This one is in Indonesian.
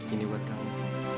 ini buat kamu